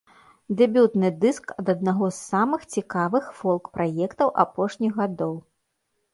Дэбютны дыск ад аднаго з самых цікавых фолк-праектаў апошніх гадоў.